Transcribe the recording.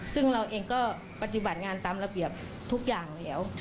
ซึ่งเราเองก็ปฏิบัติงานตามระเบียบทุกอย่างแล้ว